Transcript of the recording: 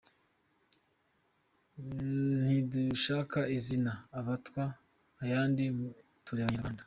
Ntidushaka izina abatwa n’ayandi, turi Abanyarwanda.